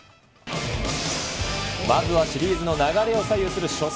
まずはシリーズの流れを左右する初戦。